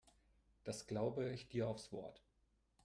Das glaube ich dir aufs Wort.